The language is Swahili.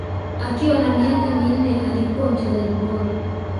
Akiwa na miaka minne alikuwa mchezaji bora